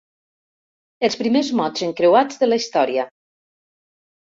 Els primers mots encreuats de la història.